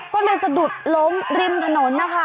ก็เลยสะดุดล้มริมถนนนะคะ